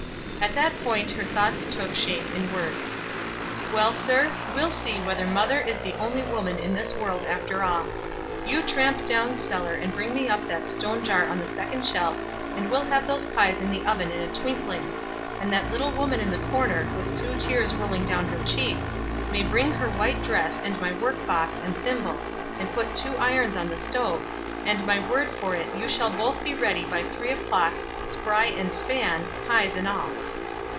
At that point her thoughts took shape in words. "Well, sir, we'll see whether mother is the only woman in this world after all. You tramp down cellar and bring me up that stone jar on the second shelf, and we'll have those pies in the oven in a twinkling; and that little woman in the corner, with two tears rolling down her cheeks, may bring her white dress and my work box and thimble, and put two irons on the stove, and my word for it you shall both be ready by three o'clock, spry and span, pies and all."